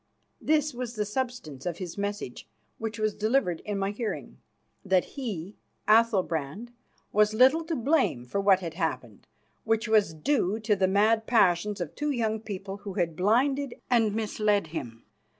This was the substance of his message, which was delivered in my hearing. That he, Athalbrand, was little to blame for what had happened, which was due to the mad passions of two young people who had blinded and misled him.